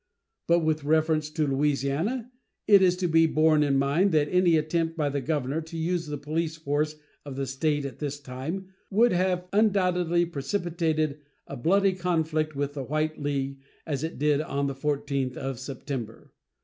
But with reference to Louisiana, it is to be borne in mind that any attempt by the governor to use the police force of that State at this time would have undoubtedly precipitated a bloody conflict with the White League, as it did on the 14th of September.